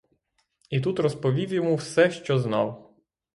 І тут розповів йому все, що знав.